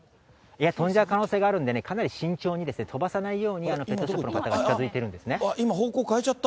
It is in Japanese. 飛んじゃう可能性があるんでね、慎重にですね、飛ばさないように、ペットショップの方が近づいてるんですね。